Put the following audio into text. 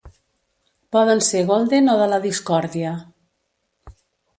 Poden ser golden o de la discòrdia.